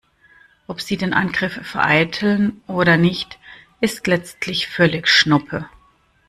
Ob sie den Angriff vereiteln oder nicht, ist letztlich völlig schnuppe.